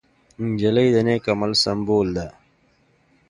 نجلۍ د نېک عمل سمبول ده.